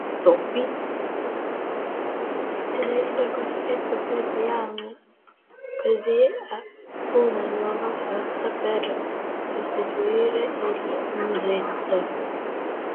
Il tedesco è costretto così a una nuova sosta per sostituire il musetto.